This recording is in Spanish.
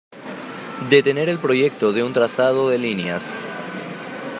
detener el proyecto de un trazado de líneas